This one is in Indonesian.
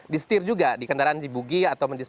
di setir juga di kendaraan dibugi atau